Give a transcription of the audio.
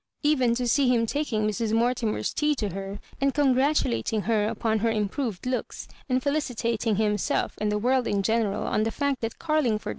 Even to see him talcing Mrs. Mortimer's tea to her, and congratulating her upon her im proved looks, and felicitating himself and the world in general on the fact that Carlingford